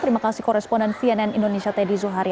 terima kasih koresponden cnn indonesia teddy zuhari